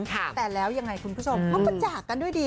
แต่แล้วยังไงคุณผู้ชมเขาก็จากกันด้วยดี